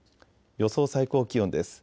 予想最高気温です。